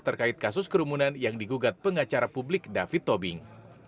terkait kasus kerumunan yang digugat pengacara publik david tobing